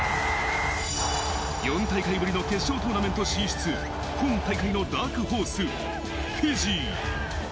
４大会ぶりの決勝トーナメント進出、今大会のダークホース、フィジー。